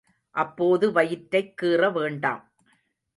அப்போது வயிற்றைக் கீறவேண்டாம்.